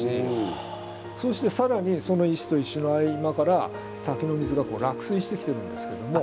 そして更にその石と石の合間から滝の水が落水してきてるんですけども。